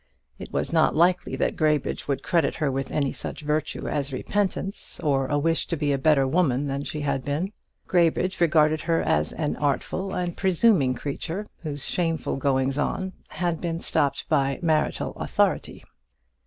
It was not likely that Graybridge would credit her with any such virtue as repentance, or a wish to be a better woman than she had been. Graybridge regarded her as an artful and presuming creature, whose shameful goings on had been stopped by marital authority.